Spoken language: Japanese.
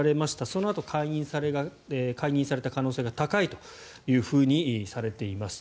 そのあと解任された可能性が高いというふうにされています。